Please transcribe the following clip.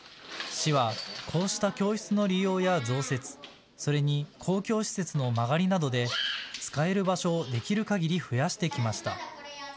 市はこうした教室の利用や増設、それに公共施設の間借りなどで使える場所をできるかぎり増やしてきました。